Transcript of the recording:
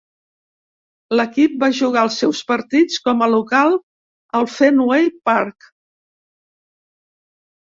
L'equip va jugar els seus partits com a local al Fenway Park.